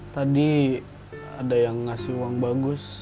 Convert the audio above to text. tadi ada yang ngasih uang bagus